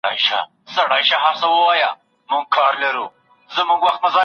مور او ورور د زور له لاري کار پيلوي او رحم نه ښکاري.